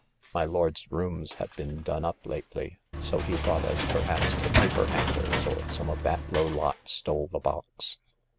My lord's rooms have been done up lately, so he thought as perhaps the paper hangers or some of that low lot stole the box."